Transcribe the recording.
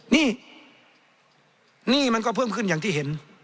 นี่หนี้มันก็เพิ่มขึ้นอย่างที่เห็น